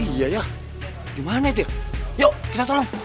iya ya dimana dia yuk kita tolong